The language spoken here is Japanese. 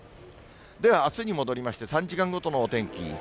ではあすに戻りまして、３時間ごとのお天気。